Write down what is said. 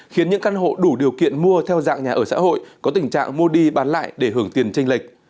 khiến những căn hộ đủ điều kiện mua theo dạng nhà ở xã hội có tình trạng mua đi bán lại để hưởng tiền tranh lệch